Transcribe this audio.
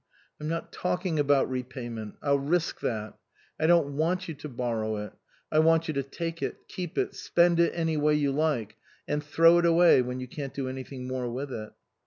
" I'm not talking about repayment ; I'll risk that. I don't want you to borrow it. I want you to take it, keep it, spend it any way you like, and throw it away when you can't do anything more with it."